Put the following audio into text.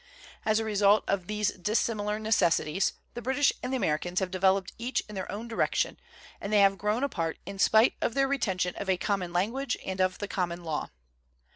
As a result of these dissimilar necessities the British and the Americans have developed each in their own direction and they have grown apart in spite of their retention of a common language and of the common law.